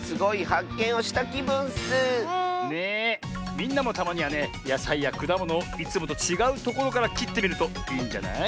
みんなもたまにはねやさいやくだものをいつもとちがうところからきってみるといいんじゃない？